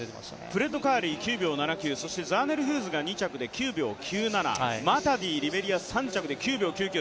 フレッド・カーリー、９秒７９そしてザーネル・ヒューズが２着で９秒９７マタディ、リベリア９秒９９。